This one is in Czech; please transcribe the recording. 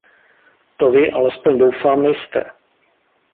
To Vy, alespoň doufám, nejste.